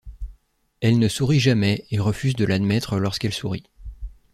Elle ne sourit jamais et refuse de l'admettre lorsqu'elle sourit.